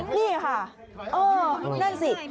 นี่ค่ะนั่นสิ